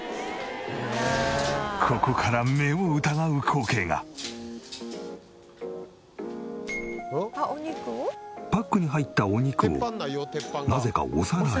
ここから「お肉を？」パックに入ったお肉をなぜかお皿に。